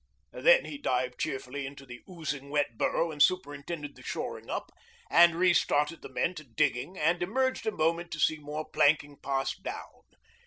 Then he dived cheerfully into the oozing wet burrow and superintended the shoring up, and re started the men to digging, and emerged a moment to see more planking passed down.